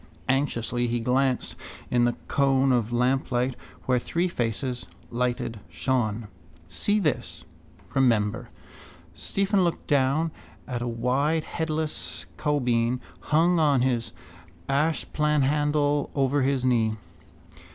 Anxiously he glanced in the cone of lamplight where three faces, lighted, shone. See this. Remember. Stephen looked down on a wide headless caubeen, hung on his ashplanthandle over his knee.